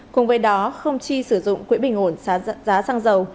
cùng với đó không chi sử dụng quỹ bình ổn giá xăng dầu